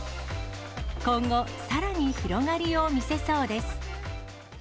今後、さらに広がりを見せそうです。